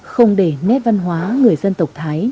không để nét văn hóa người dân tộc thái